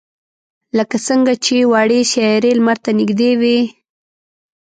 لکه څنگه چې وړې سیارې لمر ته نږدې وي.